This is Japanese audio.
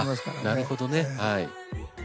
なるほどねはい。